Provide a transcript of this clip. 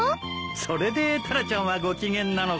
それでタラちゃんはご機嫌なのか。